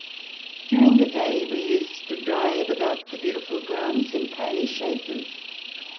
During the day we used to drive about the beautiful grounds in pony chaises.